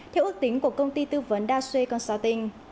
theo ước tính của công ty tư vấn da xue consulting